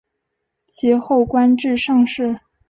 其后官至上士。